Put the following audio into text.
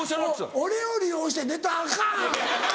俺を利用してネタアカン！